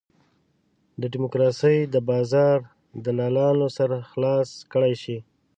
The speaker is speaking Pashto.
د ډیموکراسۍ د بازار دلالانو سر خلاص کړای شي.